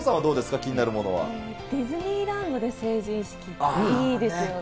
気にディズニーランドで成人式、いいですよね。